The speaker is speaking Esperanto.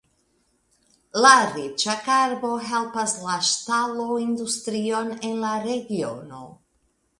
La riĉa karbo helpas la ŝtaloindustrion en la regiono.